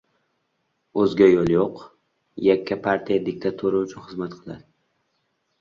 O‘zga yo‘l yo‘q. Yakka partiya diktatura uchun xizmat qiladi.